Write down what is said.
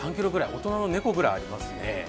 大人の猫ぐらいありますね。